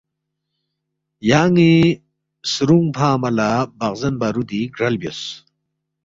یانی سرونگ فنگمہ لا بغزن بارودی گرل بیوس